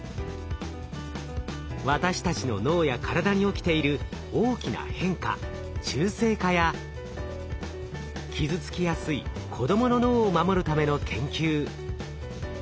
私たちの脳や体に起きている大きな変化中性化や傷つきやすい子どもの脳を守るための研究。